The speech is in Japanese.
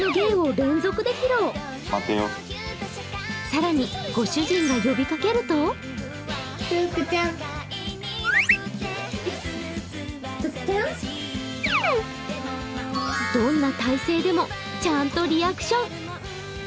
更に、ご主人が呼びかけるとどんな体勢でもちゃんとリアクション。